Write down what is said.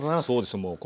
そうですよ。